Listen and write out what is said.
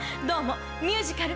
どうも！